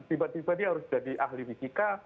tiba tiba dia harus jadi ahli fisika